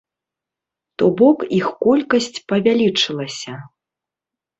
То бок іх колькасць павялічылася.